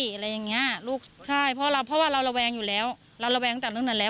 อะไรอย่างเงี้ยลูกใช่เพราะว่าเราระวังอยู่แล้วเราระวังจากนึงหน่อยแล้ว